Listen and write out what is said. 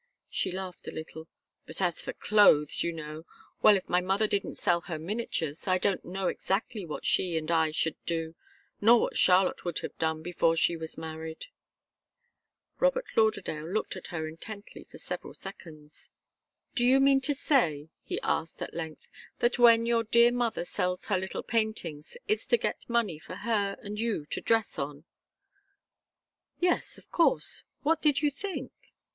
She laughed a little. "But as for clothes, you know well, if my mother didn't sell her miniatures, I don't know exactly what she and I should do nor what Charlotte would have done, before she was married." Robert Lauderdale looked at her intently for several seconds. "Do you mean to say," he asked, at length, "that when your dear mother sells her little paintings, it's to get money for her and you to dress on?" "Yes of course. What did you think?"